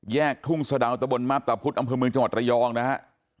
ทุ่งสะดาวตะบนมาพตะพุธอำเภอเมืองจังหวัดระยองนะฮะ